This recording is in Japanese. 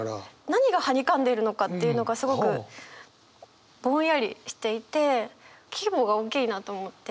何がはにかんでいるのかっていうのがすごくぼんやりしていて規模が大きいなと思って。